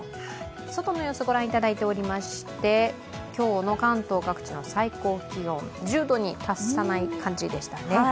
外の様子御覧いただいておりまして、今日の関東各地の最高気温、１０度に達さない感じでしたね。